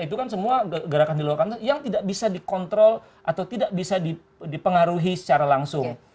itu kan semua gerakan di luar kantor yang tidak bisa dikontrol atau tidak bisa dipengaruhi secara langsung